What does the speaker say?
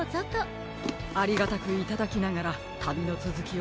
ありがたくいただきながらたびのつづきをたのしみましょうか。